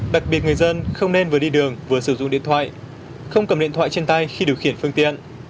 đặc biệt người dân không nên vừa đi đường vừa sử dụng điện thoại không cầm điện thoại trên tay khi điều khiển phương tiện